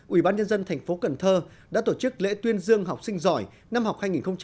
ubnd tp cần thơ đã tổ chức lễ tuyên dương học sinh giỏi năm học hai nghìn một mươi sáu hai nghìn một mươi bảy